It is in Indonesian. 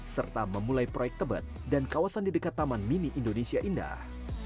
serta memulai proyek tebet dan kawasan di dekat taman mini indonesia indah